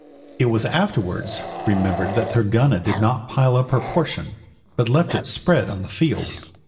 It was afterwards remembered that Thorgunna did not pile up her portion, but left it spread on the field.